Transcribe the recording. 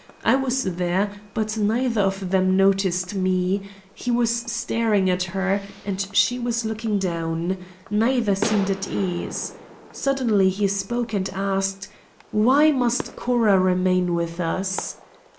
I was there, but neither of them noticed me; he was staring at her, and she was looking down. Neither seemed at ease. Suddenly he spoke and asked, 'Why must Cora remain with us?